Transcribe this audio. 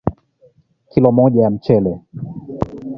Kilo moja ya mchele